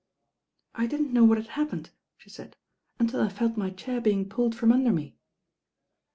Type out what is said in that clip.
"I didn't know what had happened," the said, "until I felt my chair being pulled from under me."